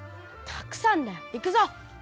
たくさんだよ行くぞ！